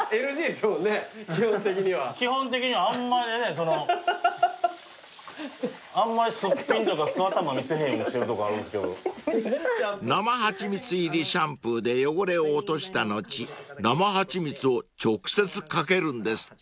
［生はちみつ入りシャンプーで汚れを落とした後生はちみつを直接掛けるんですって］